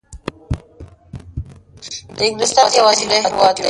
دلته به لس افغانۍ له یوې سکې سره برابرې شي